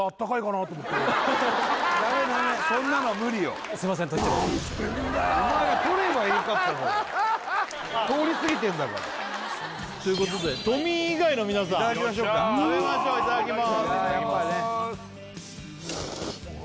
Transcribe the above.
ダメダメそんなの無理よすいません取っちゃってお前が取ればよかっただろ通りすぎてんだからということでトミー以外の皆さんいただきましょうか食べましょういただきますうわ！